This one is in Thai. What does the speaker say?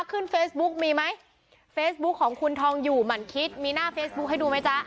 ขึ้นเฟซบุ๊กมีไหมเฟซบุ๊คของคุณทองอยู่หมั่นคิดมีหน้าเฟซบุ๊คให้ดูไหมจ๊ะ